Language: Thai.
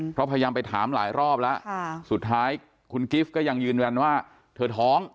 เพราะพยายามไปถามหลายรอบแล้วสุดท้ายคุณกิฟต์ก็ยังยืนยันว่าเธอท้อง